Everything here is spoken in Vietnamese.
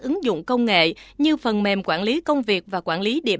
ứng dụng công nghệ như phần mềm quản lý công việc và quản lý địa bàn dân cư